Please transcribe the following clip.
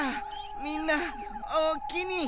みんなおおきに。